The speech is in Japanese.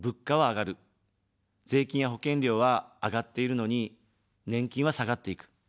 税金や保険料は上がっているのに、年金は下がっていく。